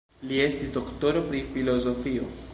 Li estis doktoro pri filozofio.